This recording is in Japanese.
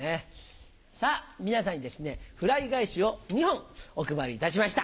皆さんにですねフライ返しを２本お配りいたしました。